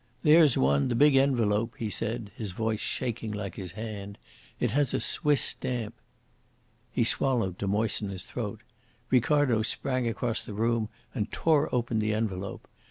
"There's one, the big envelope," he said, his voice shaking like his hand. "It has a Swiss stamp." He swallowed to moisten his throat. Ricardo sprang across the room and tore open the envelope.